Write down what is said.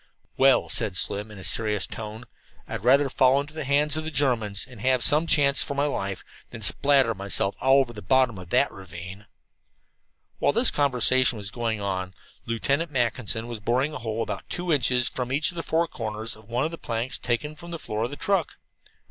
"Well," said Slim in a serious tone, "I'd rather fall into the hands of the Germans, and have some chance for my life, than spatter myself all over the bottom of that ravine." While this conversation was going on, Lieutenant Mackinson was boring a hole about two inches in from each of the four comers of one of the planks taken from the floor of the truck.